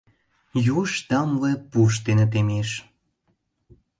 Юж тамле пуш дене темеш.